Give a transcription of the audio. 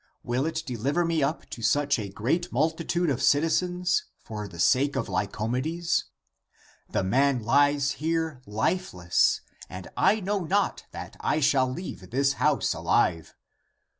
Will it deliver me up to such a great multitude of citizens, for the sake of Lycomedes? The man lies here lifeless, and I know not that I shall leave this house alive.